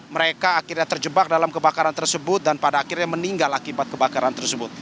mereka akhirnya terjebak dalam kebakaran tersebut dan pada akhirnya meninggal akibat kebakaran tersebut